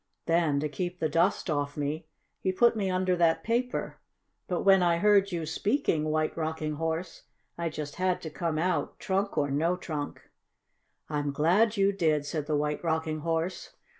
Then, to keep the dust off me, he put me under that paper. But when I heard you speaking, White Rocking Horse, I just had to come out, trunk or no trunk." "I'm glad you did," said the White Rocking Horse.